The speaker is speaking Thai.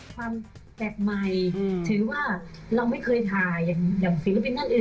ความแปลกใหม่ถือว่าเราไม่เคยถ่ายอย่างศิลปินท่านอื่น